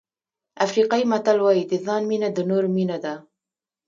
افریقایي متل وایي د ځان مینه د نورو مینه ده.